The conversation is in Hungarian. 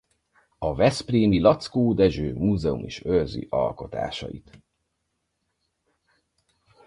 A veszprémi Laczkó Dezső Múzeum is őrzi alkotásait.